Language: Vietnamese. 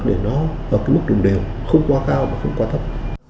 để nó ở cái mức đồng đều không quá cao và không quá thấp